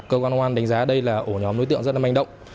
cơ quan công an đánh giá đây là ổ nhóm đối tượng rất là manh động